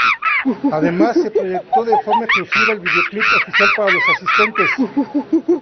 Además se proyectó de forma exclusiva el videoclip oficial para los asistentes.